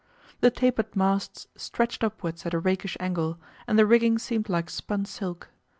The tapered masts stretched upwards at a rakish angle, and the rigging seemed like spun silk.